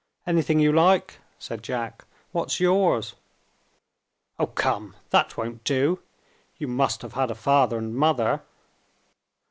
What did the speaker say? "Anything you like," said Jack. "What's yours?" "Oh, come! that won't do. You must have had a father and mother."